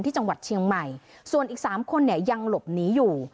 ที่จังหวัดเชียงใหม่ส่วนอีกสามคนเนี่ยยังหลบหนีอยู่